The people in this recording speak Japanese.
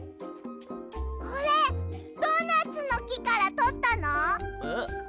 これドーナツのきからとったの？え？